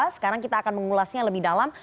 sekarang kita akan mengulasnya lebih dalam